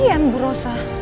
kasian bu rosa